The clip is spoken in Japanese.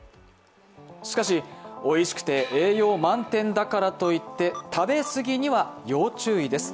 しかし、おいしくて栄養満点だからといって食べ過ぎには要注意です。